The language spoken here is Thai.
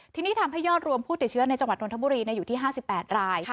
ที่นี่ทำให้ยอดรวมผู้ติดเชื้อในจังหวัดนทัพบุรีเนี่ยอยู่ที่ห้าสิบแปดราย